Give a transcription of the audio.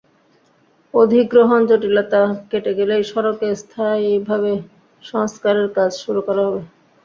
অধিগ্রহণ জটিলতা কেটে গেলেই সড়কে স্থায়ীভাবে সংস্কারের কাজ শুরু করা হবে।